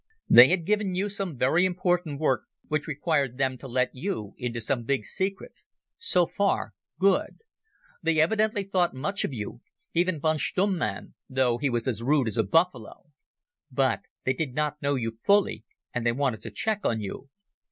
They had given you some very important work which required them to let you into some big secret. So far, good. They evidently thought much of you, even yon Stumm man, though he was as rude as a buffalo. But they did not know you fully, and they wanted to check on you.